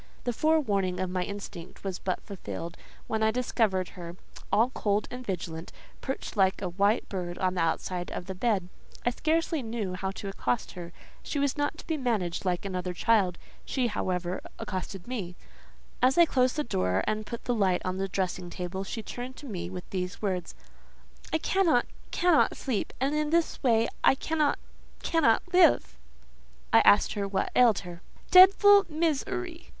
The forewarning of my instinct was but fulfilled, when I discovered her, all cold and vigilant, perched like a white bird on the outside of the bed. I scarcely knew how to accost her; she was not to be managed like another child. She, however, accosted me. As I closed the door, and put the light on the dressing table, she turned to me with these words:—"I cannot—cannot sleep; and in this way I cannot—cannot live!" I asked what ailed her. "Dedful miz er y!"